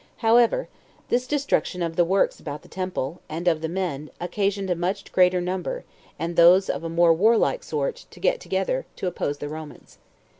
4. However, this destruction of the works [about the temple], and of the men, occasioned a much greater number, and those of a more warlike sort, to get together, to oppose the Romans.